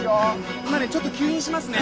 今ねちょっと吸引しますね。